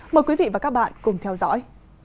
mời quý vị và các bạn cùng theo dõi